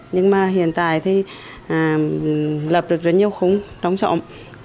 nhưng mà hiện tại thì lập được rất nhiều khung trống rộng